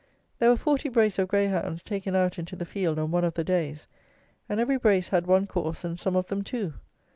There were forty brace of greyhounds taken out into the field on one of the days, and every brace had one course, and some of them two.